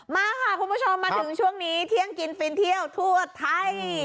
มาค่ะคุณผู้ชมมาถึงช่วงนี้เที่ยงกินฟินเที่ยวทั่วไทย